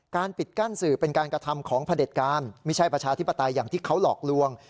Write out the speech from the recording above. ปิดกั้นสื่อเป็นการกระทำของพระเด็จการไม่ใช่ประชาธิปไตยอย่างที่เขาหลอกลวง